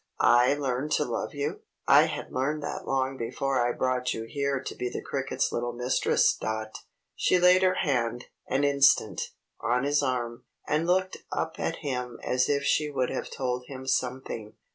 I learn to love you? I had learned that long before I brought you here to be the cricket's little mistress, Dot." She laid her hand, an instant, on his arm, and looked up at him as if she would have told him something.